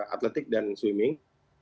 atletik dan swimming